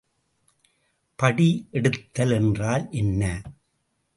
படி எடுத்தல் என்றால் என்ன?